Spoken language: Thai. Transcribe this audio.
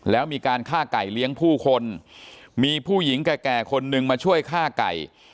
แล้วมีการฆ่าไก่เลี้ยงผู้คนมีผู้หญิงแก่คนนึงมาช่วยฆ่าไก่